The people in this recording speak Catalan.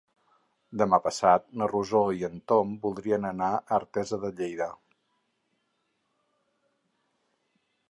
Demà passat na Rosó i en Tom voldrien anar a Artesa de Lleida.